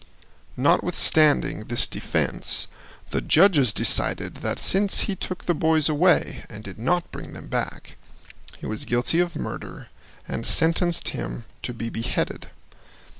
Notwithstanding this defense the judges decided that since he took the boys away and did not bring them back, he was guilty of murder and sentenced him to be beheaded.